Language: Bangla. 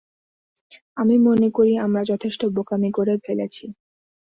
আমি মনে করি আমরা যথেষ্ট বোকামি করে ফেলেছি।